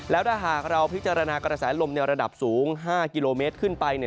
แล้วถ้าหากเราพิจารณากระแสลมในระดับสูง๕กิโลเมตรขึ้นไป